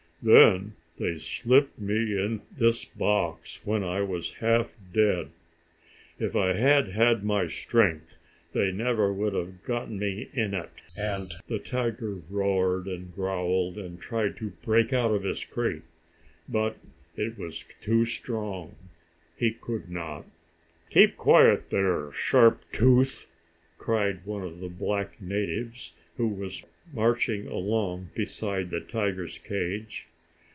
Then they slipped me in this box when I was half dead. If I had had my strength, they never would have gotten me in it!" and the tiger roared and growled, and tried to break out of his crate. But it was too strong he could not. "Keep quiet there, Sharp Tooth!" cried one of the black natives who was marching along beside the tiger's cage.